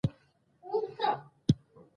د ښوونکي سخت معیار د زده کوونکو وړتیا زیاتوله.